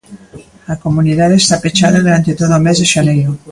A comunidade está pechada durante todo o mes de xaneiro.